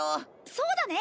そうだね！